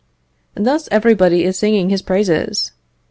Thus everybody is singing his praises.